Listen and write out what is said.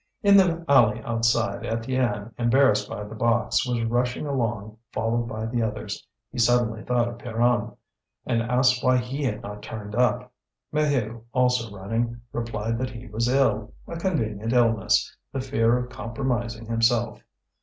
In the alley outside, Étienne, embarrassed by the box, was rushing along, followed by the others. He suddenly thought of Pierron, and asked why he had not turned up. Maheu, also running, replied that he was ill a convenient illness, the fear of compromising himself.